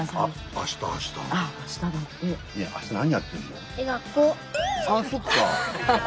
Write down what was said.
ああそっか。